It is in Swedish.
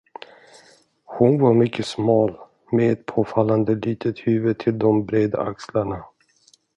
Hon var mycket smal med ett påfallande litet huvud till de breda axlarna.